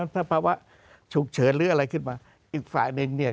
ถ้าภาวะฉุกเฉินหรืออะไรขึ้นมาอีกฝ่ายหนึ่งเนี่ย